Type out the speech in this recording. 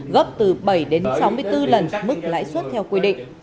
gấp từ bảy đến sáu mươi bốn lần mức lãi suất theo quy định